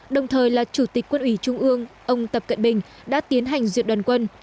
đồng thời là chủ tịch quân ủy trung ương ông tập cận bình đã tiến hành duyệt đoàn quân